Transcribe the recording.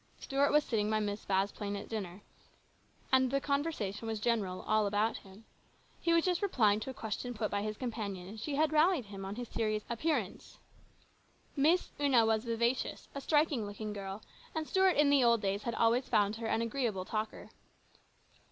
Stuart was sitting by Miss Vasplaine at this dinner, and the conversation was general, all about him. He was just replying to a question put by his companion, and she had rallied him on his serious appearance. Miss Una was vivacious, a striking looking girl, and Stuart in the old days had always found her an agreeable talker.